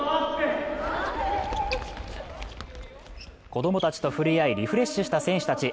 子供たちと触れ合い、リフレッシュした選手たち。